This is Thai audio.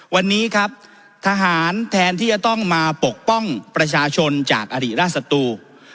วันนี้ครับทหารแทนที่จะต้องมาปกป้องประชาชนจากอดีตราชศัตรู